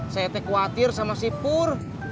saya tek kuatir sama si pur